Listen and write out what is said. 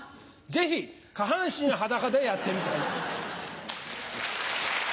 ぜひ下半身裸でやってみたい。